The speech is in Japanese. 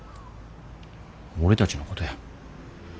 俺たちのことや。